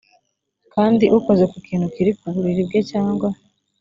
kandi ukoze ku kintu kiri ku buriri bwe cyangwa